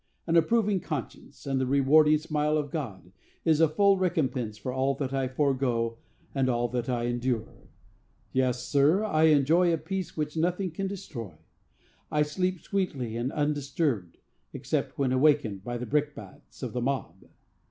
An approving conscience, and the rewarding smile of God, is a full recompense for all that I forego and all that I endure. Yes, sir, I enjoy a peace which nothing can destroy. I sleep sweetly and undisturbed, except when awaked by the brickbats of the mob.